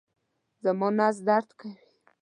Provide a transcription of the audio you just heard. زما نس درد کوي